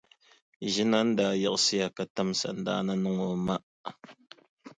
Ʒinani daa yiɣisiya ka tim sandaani niŋ o ma.